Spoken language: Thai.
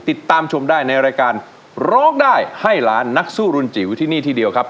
ติดตามชมได้ในรายการร้องได้ให้ล้านนักสู้รุนจิ๋วที่นี่ที่เดียวครับ